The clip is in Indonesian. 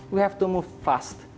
kita harus bergerak cepat